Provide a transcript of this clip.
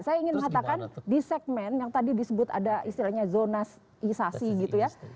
saya ingin mengatakan di segmen yang tadi disebut ada istilahnya zonasisasi gitu ya